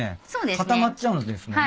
固まっちゃうんですもんね。